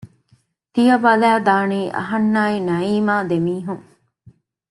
ތިޔަ ބަލައި ދާނީ އަހަންނާއި ނަޢީމާ ދެ މީހުން